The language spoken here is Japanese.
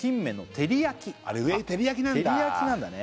照り焼きなんだね